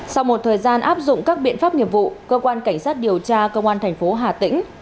sau một thời gian áp dụng các biện pháp nghiệp vụ cơ quan cảnh sát điều tra công an thành phố hà tĩnh